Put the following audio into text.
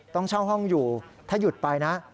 ต้องเช่าห้องอยู่ถ้าหยุดไปนะ